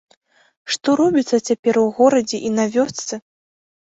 Што робіцца цяпер у горадзе і на вёсцы!